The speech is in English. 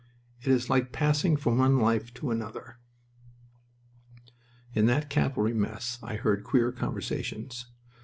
It is like passing from one life to another." In that cavalry mess I heard queer conversations.